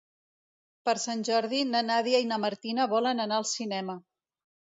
Per Sant Jordi na Nàdia i na Martina volen anar al cinema.